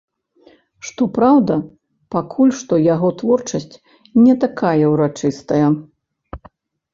Што праўда, пакуль што яго творчасць не такая ўрачыстая.